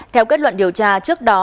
theo kết luận điều tra trước đó